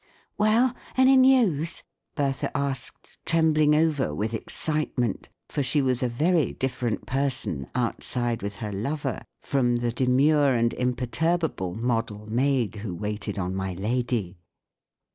" Well, any news?" Bertha asked, trembling over with excitement, for she was a very different person outside with her lover from the demure and imperturbable model maid who waited on my lady.